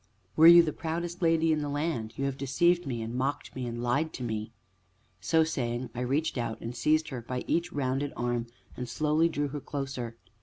"Were you the proudest lady in the land you have deceived me and mocked me and lied to me!" So saying, I reached out, and seized her by each rounded arm, and slowly drew her closer.